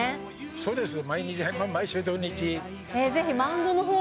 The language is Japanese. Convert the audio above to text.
そうですね。